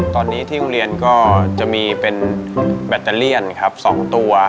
ตอนนี้ที่โรงเรียนก็จะมีเป็นแบตเตอเลียนครับ๒ตัว